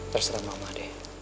terserah mama deh